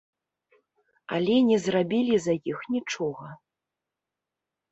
Але не зрабілі за іх нічога.